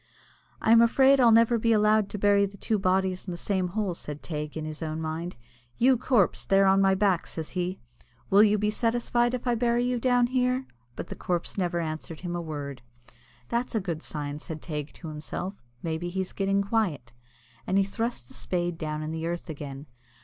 "I am afraid I'll never be allowed to bury the two bodies in the same hole," said Teig, in his own mind. "You corpse, there on my back," says he, "will you be satisfied if I bury you down here?" But the corpse never answered him a word. "That's a good sign," said Teig to himself. "Maybe he's getting quiet," and he thrust the spade down in the earth again.